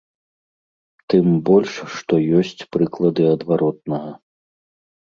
Тым больш што ёсць прыклады адваротнага.